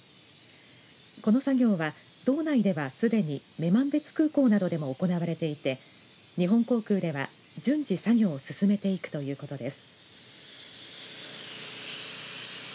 この作業は道内では、すでに女満別空港などでも行われていて日本航空では順次作業を進めていくということです。